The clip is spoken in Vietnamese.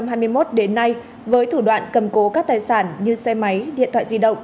từ tháng bốn năm hai nghìn hai mươi một đến nay với thủ đoạn cầm cố các tài sản như xe máy điện thoại di động